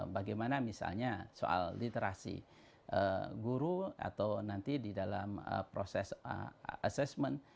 bagaimana misalnya soal literasi guru atau nanti di dalam proses assessment